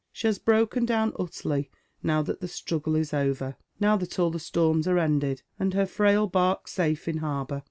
She has broken down utterly now that the struggle is over, now that all storms are ended and her frail bark safe in harbour.